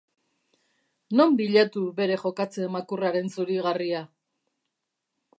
Non bilatu bere jokatze makurraren zurigarria?